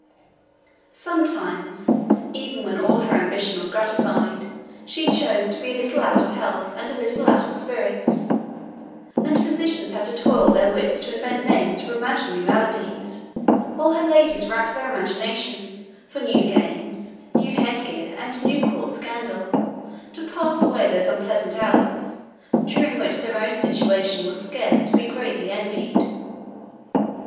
Sometimes, even when all her ambition was gratified, she chose to be a little out of health, and a little out of spirits; and physicians had to toil their wits to invent names for imaginary maladies, while her ladies racked their imagination for new games, new head gear, and new court scandal, to pass away those unpleasant hours, during which their own situation was scarce to be greatly envied.